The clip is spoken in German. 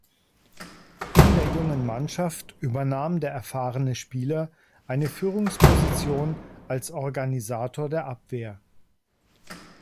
In der jungen Mannschaft übernahm der erfahrene Spieler eine Führungsposition als Organisator der Abwehr.